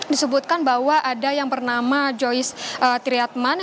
disebutkan bahwa ada yang bernama joyce triatman